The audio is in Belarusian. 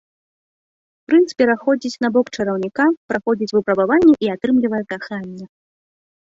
Прынц пераходзіць на бок чараўніка, праходзіць выпрабаванні і атрымлівае каханне.